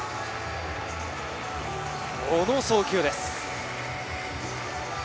この送球です。